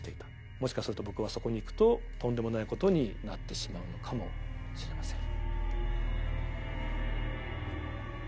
もしかすると僕はそこに行くととんでもない事になってしまうのかもしれません。